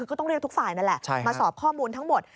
ก็ต้องเรียกทุกฝ่ายนั่นแหละมาสอบข้อมูลทั้งหมด